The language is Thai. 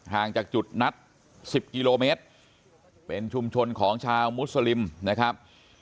ห่างจากจุดนัด๑๐กิโลเมตรเป็นชุมชนของชาวมุสลิมนะครับ